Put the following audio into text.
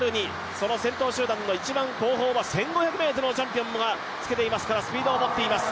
その先頭集団の後方を１５００ｍのチャンピオンがつけていますからスピードを持っています。